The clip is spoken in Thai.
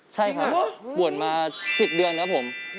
ใช่ครับบวชมา๑๐เดือนครับผม